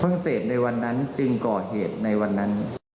เสพในวันนั้นจึงก่อเหตุในวันนั้น